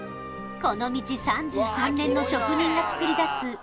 この道３３年の職人が作りだす